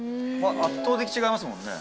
圧倒的に違いますもんね。